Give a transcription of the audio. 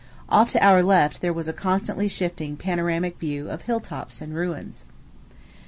Off to our left there was a constantly shifting panoramic view of hill top and ruins.